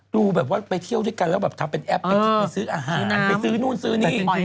ดูแบบว่าไปเที่ยวที่กันแล้วแบบทำเป็นแอปไปซื้ออาหารซื้อนู้นซื้อนี่